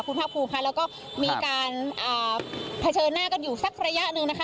คุณภาคภูมิค่ะแล้วก็มีการเผชิญหน้ากันอยู่สักระยะหนึ่งนะคะ